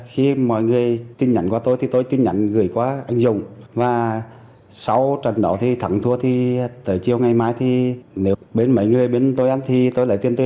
hiện công an thị xã buôn hồ